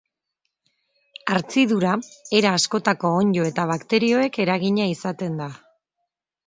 Hartzidura era askotako onddo eta bakterioek eragina izaten da.